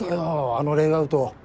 あのレイアウト。